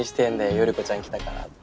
頼子ちゃん来たからって。